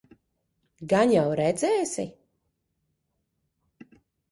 Gan jau redzēsi?